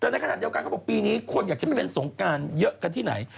แต่ในขณะเดียวกันเขาบอกปีนี้คนอยากจะไปเล่นสงการเยอะกันที่ไหน